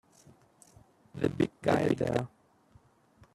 The big guy there!